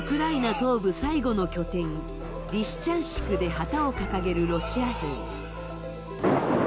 東部最後の拠点、リシチャンシクで旗を掲げるロシア兵。